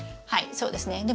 はいそうですね。